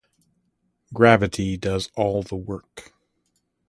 Gravity does all the work.